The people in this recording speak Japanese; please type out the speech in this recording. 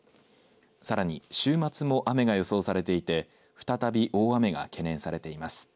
さらに週末も雨が予想されていて再び大雨が懸念されています。